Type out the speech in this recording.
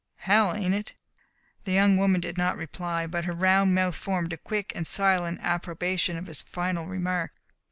Hell, ain't it?" The young woman did not reply, but her round mouth formed a quick and silent approbation of his final remark.